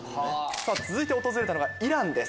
続いて訪れたのがイランです。